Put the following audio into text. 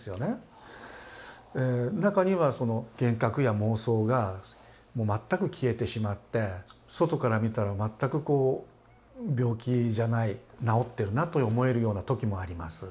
中には幻覚や妄想が全く消えてしまって外から見たら全く病気じゃない治ってるなと思えるような時もあります。